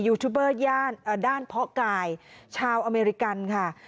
เบอร์ด้านเพาะกายชาวอเมริกันค่ะ